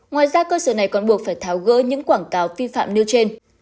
ngoài ra cơ sở này còn buộc phải tháo gỡ những quảng cáo vi phạm nêu trên